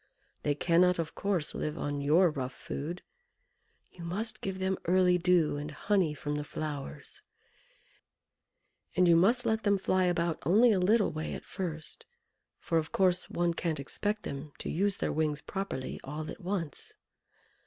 they cannot, of course, live on your rough food. You must give them early dew, and honey from the flowers, and you must let them fly about only a little way at first; for, of course, one can't expect them to use their wings properly all at once.